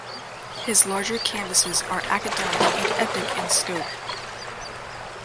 His larger canvases are academic and epic in scope.